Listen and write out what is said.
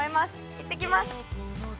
いってきます